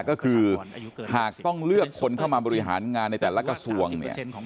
ก็คือหากต้องเลือกคนเข้ามาบริหารงานในแต่ละกระทรวงเนี่ย